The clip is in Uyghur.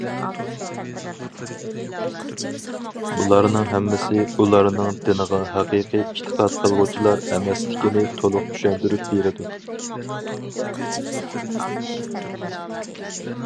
بۇلارنىڭ ھەممىسى ئۇلارنىڭ دىنغا ھەقىقىي ئېتىقاد قىلغۇچىلار ئەمەسلىكىنى تولۇق چۈشەندۈرۈپ بېرىدۇ.